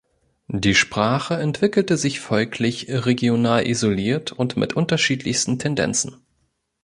Die Sprache entwickelte sich folglich regional isoliert und mit unterschiedlichsten Tendenzen.